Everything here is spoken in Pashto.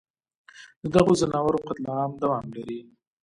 ددغو ځناورو قتل عام دوام لري